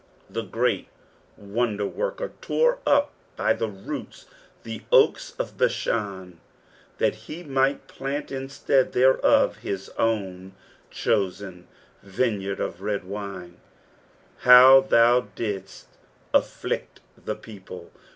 The Great Wonderworker tore up by the roots the oaks of Bashan, that he might plant instead thereof his own chosen " vineyard of red wine." "Une Ihoudidd afflict the people."